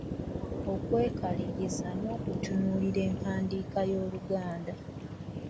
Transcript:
Okwekaliriza n’okutunuulira empandiika y’Oluganda.